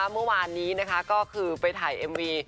เมื่อวานนี้ไปถ่ายแอมวี